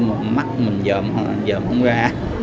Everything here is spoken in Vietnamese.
mà mắt mình dờm không ra